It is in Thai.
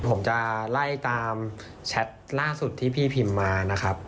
ผมจะไล่ตามแชทล่าสุดที่พี่พิมพ์มานะครับ